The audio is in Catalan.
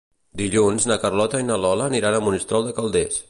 Dilluns na Carlota i na Lola aniran a Monistrol de Calders.